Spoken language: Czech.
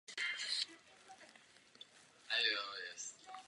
Toto pravidlo se nevztahuje na v díle uvedené putující duchy.